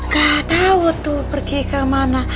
gak tau tuh pergi kemana